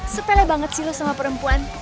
sepele banget sih loh sama perempuan